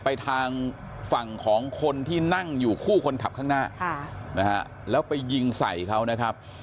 ไปทางฝั่งของคนที่นั่งอยู่คู่คนขับข้างหน้าแล้วไปยิงใส่เขานะครับ